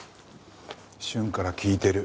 瞬から聞いてる。